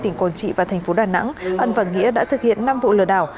tỉnh quảng trị và thành phố đà nẵng ân và nghĩa đã thực hiện năm vụ lừa đảo